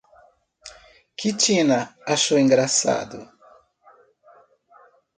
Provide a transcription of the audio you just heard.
Que Tina achou engraçado!